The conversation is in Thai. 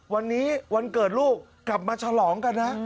วันนี้วันเกิดลูกกลับมาฉลองกันนะ